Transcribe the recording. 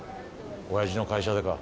親父の会社でか？